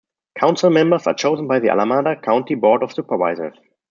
Council members are chosen by the Alameda County Board of Supervisors.